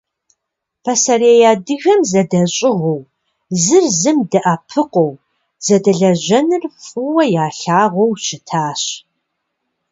Пасэрей адыгэм зэдэщӀыгъуу, зыр зым дэӀэпыкъуу зэдэлэжьэныр фӀыуэ ялъагъуу щытащ.